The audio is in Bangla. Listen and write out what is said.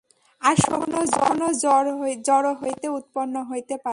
আর শক্তি কখনও জড় হইতে উৎপন্ন হইতে পারে না।